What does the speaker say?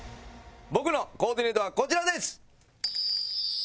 僕のコーディネートはこちらです！